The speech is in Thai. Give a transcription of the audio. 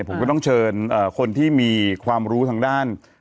ผมก็ต้องเชิญคนที่มีความรู้ทางด้าน